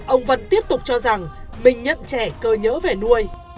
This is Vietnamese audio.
ông cho rằng mình nhận trẻ cơ nhỡ về nuôi